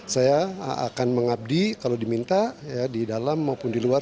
saya akan mengabdi kalau diminta di dalam maupun di luar